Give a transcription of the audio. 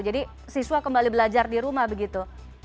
jadi siswa kembali belajar di rumah begitu